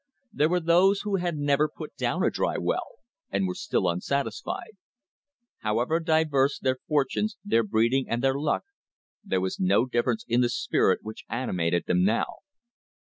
There were those who had never put down a dry well, and were still unsatisfied. However diverse their fortunes, their breeding, and their luck, there was no differ ence in the spirit which animated them now.